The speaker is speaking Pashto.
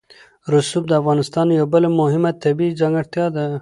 رسوب د افغانستان یوه بله مهمه طبیعي ځانګړتیا ده.